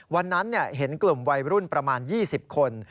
วันนั้นเห็นกลุ่มวัยรุ่นประมาณ๒๐คน